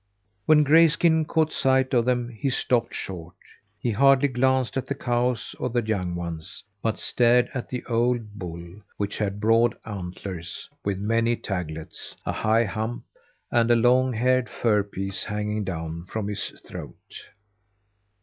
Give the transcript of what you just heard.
When Grayskin caught sight of them he stopped short. He hardly glanced at the cows or the young ones, but stared at the old bull, which had broad antlers with many taglets, a high hump, and a long haired fur piece hanging down from his throat.